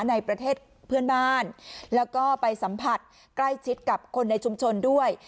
ในประเทศเพื่อนบ้านแล้วก็ไปสัมผัสใกล้ชิดกับคนในชุมชนด้วย